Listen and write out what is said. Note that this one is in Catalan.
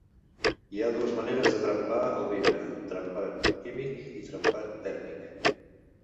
Hi ha dues maneres de trempar el vidre: trempat químic i trempat tèrmic.